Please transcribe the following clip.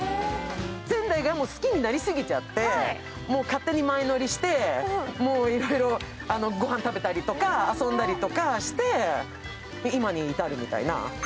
仙台が好きになりすぎちゃって、勝手に前乗りしていろいろ御飯食べたりとか遊んだりとかして今に至るみたいな。